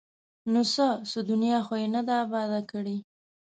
ـ نو څه؟ څه دنیا خو یې نه ده اباده کړې!